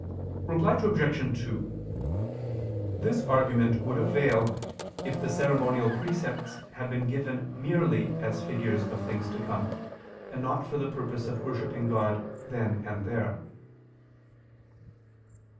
Reply Obj. 2: This argument would avail if the ceremonial precepts had been given merely as figures of things to come, and not for the purpose of worshipping God then and there.